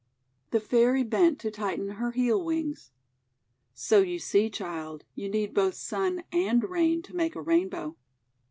The Fairy bent to tighten her heel wings. "So you see, Child, you need both Sun and Rain to make a Rainbow."